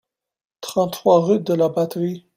trente-trois route de la Batterie